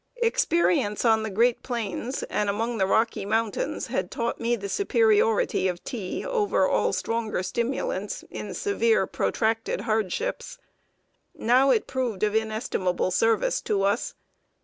Experience on the great Plains and among the Rocky Mountains had taught me the superiority of tea over all stronger stimulants in severe, protracted hardships. Now it proved of inestimable service to us.